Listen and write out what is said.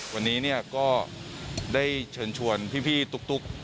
วันนี้ก็ได้เชิญชวนพี่ตุ๊ก